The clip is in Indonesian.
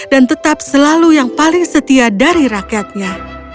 dan tetap selalu yang paling setia dari rakyatnya